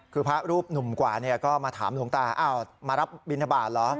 คือพระรูปหนุ่มกว่าก็มาถามหลวงตาอ้าวมารับบินทบาทเหรอ